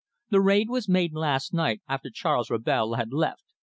"The raid was made last night after Charles Rabel had left.